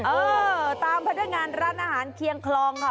เออตามพนักงานร้านอาหารเคียงคลองค่ะ